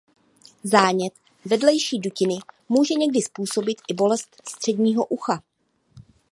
Zánět vedlejší dutiny může někdy způsobit i bolest středního ucha.